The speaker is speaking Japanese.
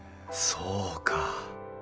そうか。